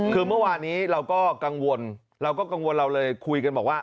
คือเมื่อวานี้เราก็กังวลเราก็กังวลเราเลยคุยกันบอกว่า